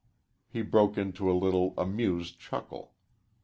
He broke into a little amused chuckle.